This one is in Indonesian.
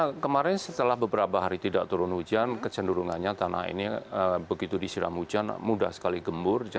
karena kemarin setelah beberapa hari tidak turun hujan kecenderungannya tanah ini begitu disiram hujan mudah sekali gembur